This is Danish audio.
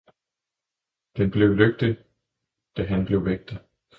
Den blev lygte da han blev vægter.